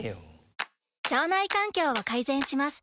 腸内環境を改善します。